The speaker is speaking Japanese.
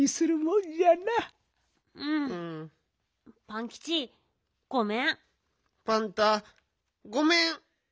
パンタごめん！